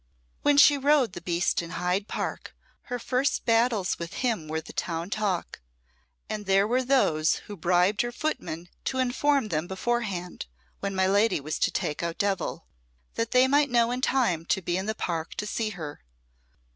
When she rode the beast in Hyde Park, her first battles with him were the town talk; and there were those who bribed her footmen to inform them beforehand, when my lady was to take out Devil, that they might know in time to be in the Park to see her.